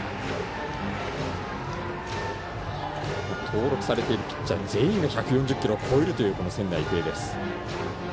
登録されているピッチャー全員が１４０キロを超えるという仙台育英です。